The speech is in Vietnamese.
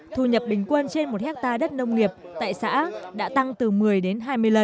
thu nhập bình quân trên một hectare đất nông nghiệp tại xã đã tăng từ một mươi đến hai mươi lần